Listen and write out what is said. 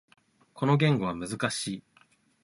この言語は難しい。